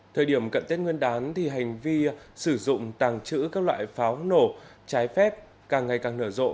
thời điểm cận tết nguyên đán thì hành vi sử dụng tàng trữ các loại pháo nổ trái phép càng ngày càng nở rộ